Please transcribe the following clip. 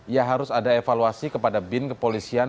ya harus ada evaluasi kepada bin kepolisian